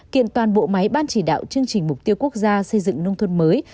kiện toàn bộ máy ban chỉ đạo chương trình mục tiêu quốc gia xây dựng nông thôn mới